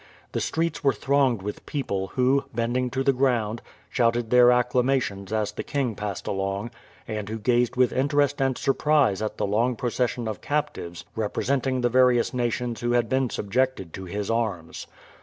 The streets were thronged with people who, bending to the ground, shouted their acclamations as the king passed along, and who gazed with interest and surprise at the long procession of captives representing the various nations who had been subjected to his arms.